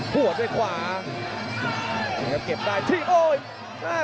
ผัวด้วยขวาเก็บได้ทิ้ถ้ะโอ้โห